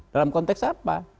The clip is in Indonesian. dalam konteks apa